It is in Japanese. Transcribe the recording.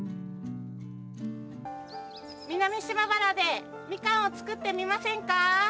南島原でみかんを作ってみませんか。